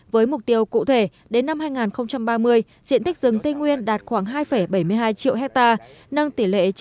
với mục tiêu cụ thể đến năm hai nghìn ba mươi diện tích rừng tây nguyên đạt khoảng hai bảy